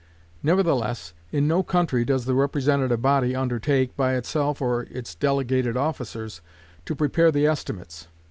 Nevertheless, in no country does the representative body undertake, by itself or its delegated officers, to prepare the estimates.